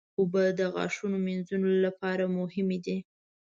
اوبه د غاښونو مینځلو لپاره مهمې دي.